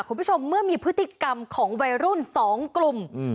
คุณผู้ชมเมื่อมีพฤติกรรมของวัยรุ่นสองกลุ่ม